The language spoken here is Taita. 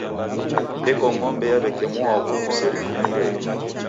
Yeko ng'ombe ya w'eke mwaaw'u kuserefunyireghe.